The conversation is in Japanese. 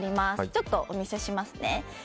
ちょっと、お見せしますね。